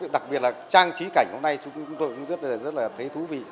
đặc biệt là trang trí cảnh hôm nay chúng tôi cũng rất là thấy thú vị